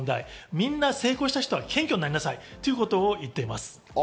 みんな成功した人は謙虚になりなさいということを言っています。